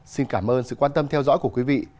xin cảm ơn sự quan tâm theo dõi của quý vị